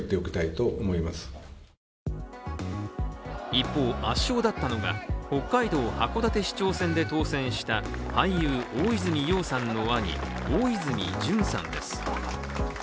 一方、圧勝だったのが北海道函館市長選で当選した俳優・大泉洋さんの兄、大泉潤さんです。